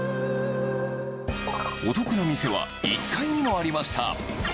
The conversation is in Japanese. お得な店は１階にもありました。